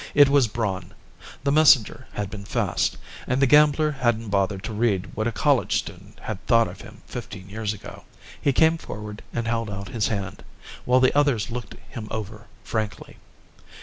It was Braun; the messenger had been fast, and the gambler hadn't bothered to read what a college student had thought of him fifteen years ago. He came forward and held out his hand, while the others looked him over frankly.